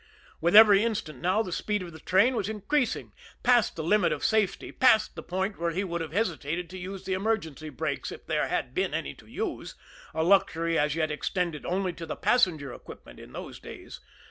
With every instant now the speed of the train was increasing past the limit of safety past the point where he would have hesitated to use the emergency brakes, if there had been any to use a luxury as yet extended only to the passenger equipment in those days.